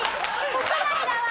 国内だわ！